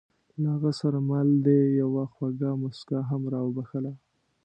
له هغه سره مل دې یوه خوږه موسکا هم را وبښله.